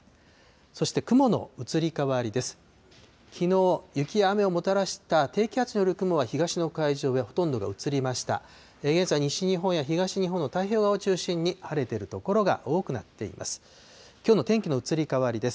そして雲の移り変わりです。